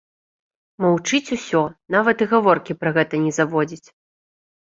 Маўчыць усё, нават і гаворкі пра гэта не заводзіць.